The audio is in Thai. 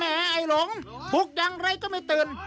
แม่ไอ้ลงปุกอย่างไรก็ไม่ตื่น